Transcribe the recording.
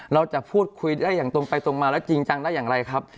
เราจะพูดคุยได้อย่างตรงไปตรงมาแล้วจริงจังได้อย่างไรครับ